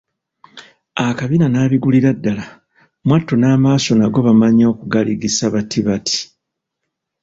Akabina n'abigulira ddala, mwattu n'amaaso nago bamanyi okugaligisa bati bati!